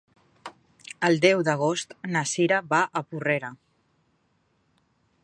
El deu d'agost na Cira va a Porrera.